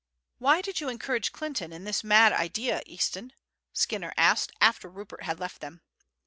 "Why did you encourage Clinton in this mad idea, Easton?" Skinner asked after Rupert had left them.